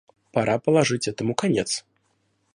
Пора положить этому конец.